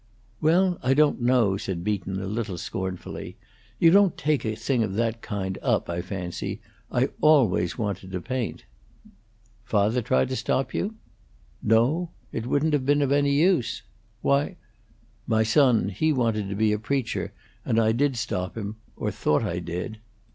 "Well, I don't know," said Beaton, a little scornfully. "You don't take a thing of that kind up, I fancy. I always wanted to paint." "Father try to stop you?" "No. It wouldn't have been of any use. Why " "My son, he wanted to be a preacher, and I did stop him or I thought I did.